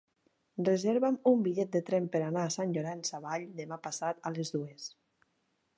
Reserva'm un bitllet de tren per anar a Sant Llorenç Savall demà passat a les dues.